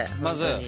まず。